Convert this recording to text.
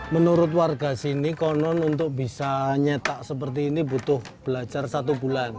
menurut warga sini konon untuk bisa nyetak seperti ini butuh belajar satu bulan